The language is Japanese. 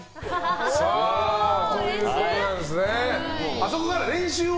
あそこから練習を。